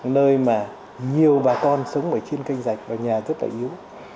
nơi mà nhiều bà con sống ở trên canh rạch và nhà rất là yếu